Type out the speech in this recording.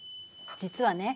実はね